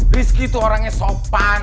rizky tuh orangnya sopan